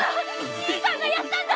兄さんがやったんだ！